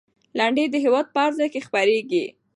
لنډۍ د هېواد په هر ځای کې خپرېږي.